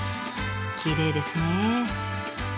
きれいですね。